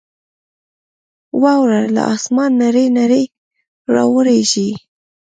واوره له اسمانه نرۍ نرۍ راورېږي.